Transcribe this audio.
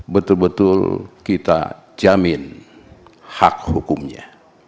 betul betul kita jamin hak hukumnya